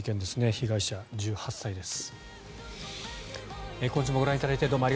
被害者、１８歳です。